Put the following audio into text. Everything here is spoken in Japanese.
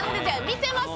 見てます？